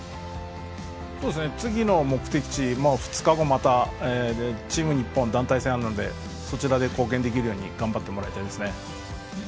次の目的地、２日後またチーム日本、団体戦があるのでそちらで貢献できるように頑張ってもらいたいですね。